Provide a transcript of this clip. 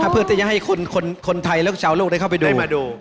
เพื่อจะให้คนไทยแล้วก็ชาวลูกได้เข้าไปดู